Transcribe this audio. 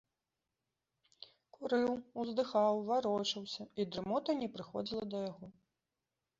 Курыў, уздыхаў, варочаўся, і дрымота не прыходзіла да яго.